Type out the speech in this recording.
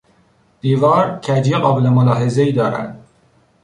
دیوار کجی قابل ملاحظهای دارد.